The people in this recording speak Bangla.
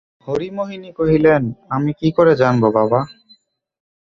হরিমোহিনী কহিলেন, আমি কী করে জানব বাবা!